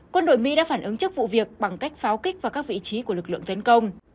quân đội mỹ đã phản ứng trước vụ việc bằng cách pháo kích vào các vị trí của lực lượng tiến công